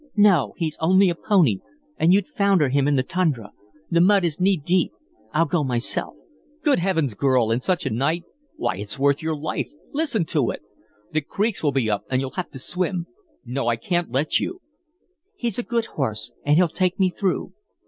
"No! He's only a pony, and you'd founder him in the tundra. The mud is knee deep. I'll go myself." "Good Heavens, girl, in such a night! Why, it's worth your life! Listen to it! The creeks will be up and you'll have to swim. No, I can't let you." "He's a good little horse, and he'll take me through."